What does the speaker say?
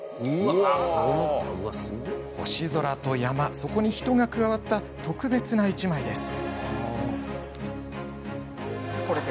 星空と山、そこに人が加わった特別な１枚です。